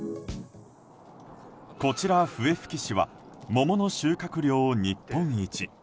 こちら、笛吹市は桃の収穫量日本一。